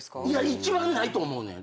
一番ないと思うねん。